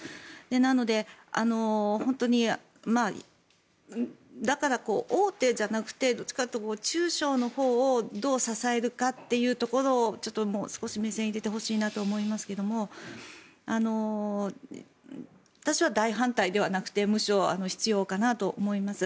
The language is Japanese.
なので、本当にだから大手じゃなくてどっちかというと中小のほうをどう支えるかというところにちょっともう少し目線を入れてほしいなと思いますけど私は大反対ではなくむしろ必要かなと思います。